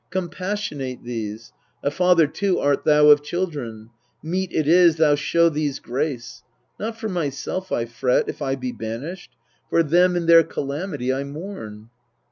Compassionate these : a father^too art thou Of children : meet it is thou show these grace. Not for myself I fret, if I be banished : For them in their calamity I mourn.